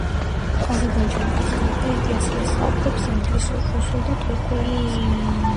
აზერბაიჯანულის გარდა, იგი ასევე საუბრობს ინგლისურ, რუსულ და თურქულ ენებზე.